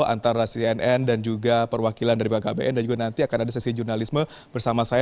antara cnn dan juga perwakilan dari bkkbn dan juga nanti akan ada sesi jurnalisme bersama saya